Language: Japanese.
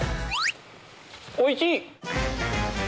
おいしい。